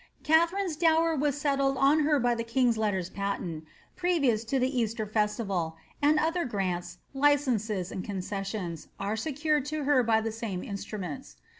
Katbarine^s dower was settled on her by the kiiig^s letters patent, pre ▼ioQs to the Easter festival, and other grants, licenses, and concessions, tre secured to her by the same instruments.